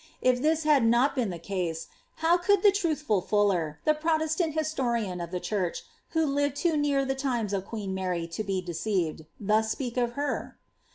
If this had not been tiie case, how could the truthful Fuller, the Protestant historian of the church, who lived too near the times of queen Mary to be deceived, thus speak of her